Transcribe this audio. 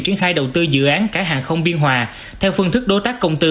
triển khai đầu tư dự án cảng hàng không biên hòa theo phương thức đối tác công tư